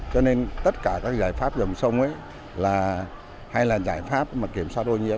cho nên tất cả các giải pháp dòng sông ấy hay là giải pháp kiểm soát ô nhưỡm